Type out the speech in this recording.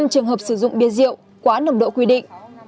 năm trường hợp sử dụng bia rượu quá nồng độ quy định